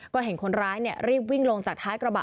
ก็เห็นคนร้ายรีบวิ่งลงจากท้ายกระบะ